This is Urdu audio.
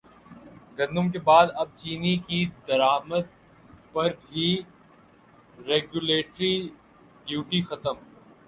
گندم کے بعد اب چینی کی درامد پر بھی ریگولیٹری ڈیوٹی ختم